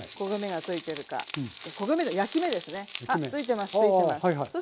ついてます。